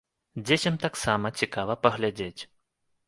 Дзецям таксама цікава паглядзець.